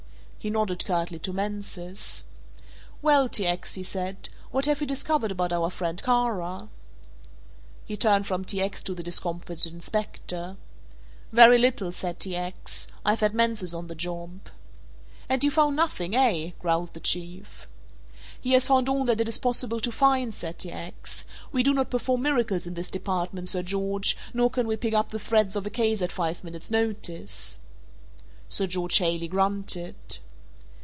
He nodded curtly to Mansus. "Well, T. X.," he said, "what have you discovered about our friend Kara?" He turned from T. X. to the discomforted inspector. "Very little," said T. X. "I've had Mansus on the job." "And you've found nothing, eh?" growled the Chief. "He has found all that it is possible to find," said T. X. "We do not perform miracles in this department, Sir George, nor can we pick up the threads of a case at five minutes' notice." Sir George Haley grunted.